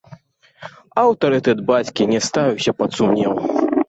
Аўтарытэт бацькі не ставіўся пад сумнеў.